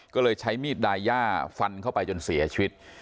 ก็เลยใช้มีดดายย่าฟันเข้าไปจนเสียชีวิต